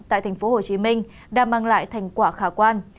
tại tp hcm đã mang lại thành quả khả quan